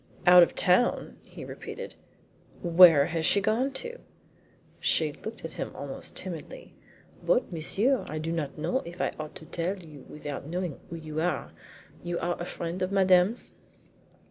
"Out of town!" he repeated. "Where has she gone to?" She looked at him almost timidly. "But, monsieur, I do not know if I ought to tell you without knowing who you are. Are you a friend of Madame's?"